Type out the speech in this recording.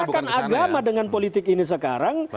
gerakan agama dengan politik ini sekarang